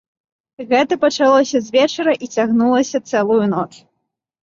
Гэта пачалося звечара і цягнулася цэлую ноч.